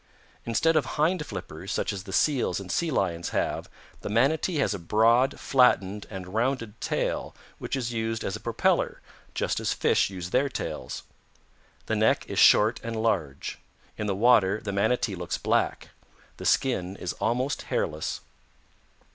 Instead of hind flippers, such as the Seals and Sea Lions have, the Manatee has a broad, flattened and rounded tail which is used as a propeller, just as fish use their tails. The neck is short and large. In the water the Manatee looks black. The skin is almost hairless.